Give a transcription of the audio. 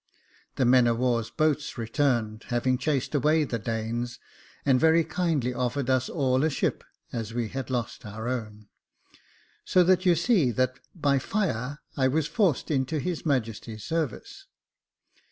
The men of war's boats returned, having chased away the Danes, and very kindly offered us all a ship, as we had lost our own, so that you see that by fire I was forced into his Majesty's sarvice.